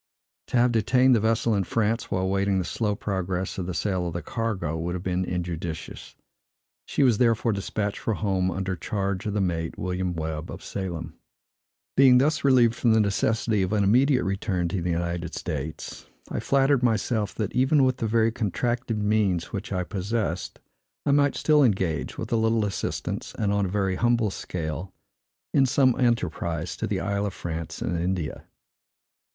To have detained the vessel in France, while waiting the slow progress of the sale of the cargo, would have been injudicious; and she was therefore despatched for home, under charge of the mate, William Webb, of Salem. Being thus relieved from the necessity of an immediate return to the United States, I flattered myself, that, even with the very contracted means which I possessed, I might still engage, with a little assistance, and on a very humble scale, in some enterprise to the Isle of France and India.